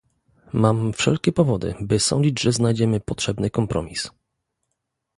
Mam wszelkie powody, by sądzić, że znajdziemy potrzebny kompromis